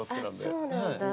あっそうなんだ。